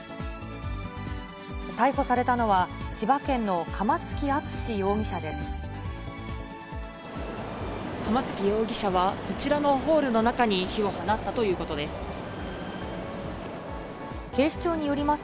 逮捕されたのは、釜付容疑者は、こちらのホールの中に火を放ったということです。